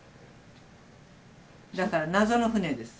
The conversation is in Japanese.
だから謎の船です。